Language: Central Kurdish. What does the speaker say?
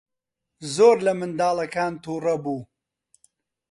زۆر لە منداڵەکان تووڕە بوو.